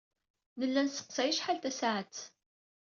Nella nesseqsay acḥal tasaɛet.